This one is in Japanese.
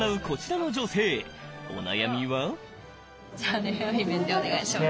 こちらの女性お悩みは。